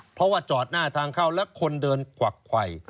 เพราะว่าจอดหน้าทางเข้าแล้วคนเดินกวักไขว